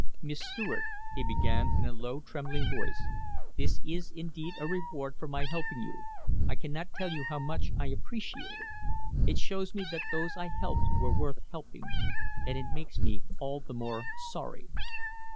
"Miss Stuart," he began, in a low, trembling voice, "this is indeed a reward for my helping you. I cannot tell you how much I appreciate it. It shows me that those I helped were worth helping. And it makes me all the more sorry."